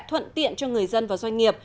thuận tiện cho người dân và doanh nghiệp